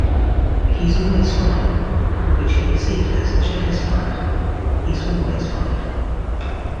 He's always fine," which he perceived as "Jeff is five, he's always five.